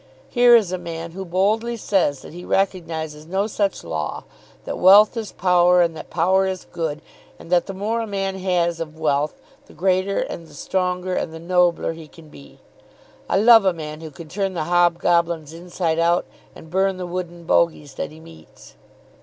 Here is a man who boldly says that he recognises no such law; that wealth is power, and that power is good, and that the more a man has of wealth the greater and the stronger and the nobler he can be. I love a man who can turn the hobgoblins inside out and burn the wooden bogies that he meets."